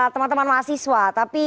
teman teman mahasiswa tapi